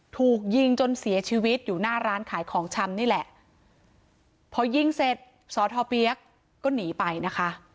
ถูกยิงจนเสียชีวิตอยู่หน้าร้านขายของชำนี่แหละพอยิงเสร็จสอทอเปี๊ยกก็หนีไปนะคะ